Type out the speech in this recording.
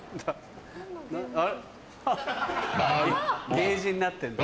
ゲージになってんだ。